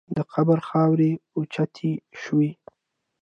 د قبر خاورې اوچتې شوې.